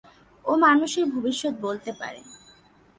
ও মানুষের ভবিষ্যত বলতে পারে।